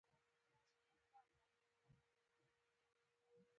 کمیس یې له درو تاوو ګنډل شوی و.